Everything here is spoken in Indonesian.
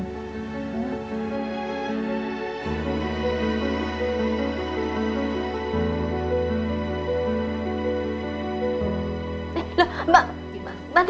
eh lo mbak mbak rendy